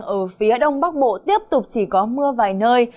ở phía đông bắc bộ tiếp tục chỉ có mưa vài nơi